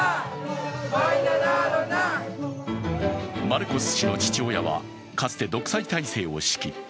マルコス氏の父親は、かつて独裁体制を敷き